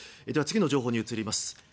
次の情報に移ります。